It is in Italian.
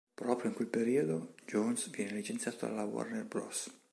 Proprio in quel periodo Jones viene licenziato dalla Warner Bros.